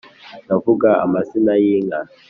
nkavuga amazina y’ inka,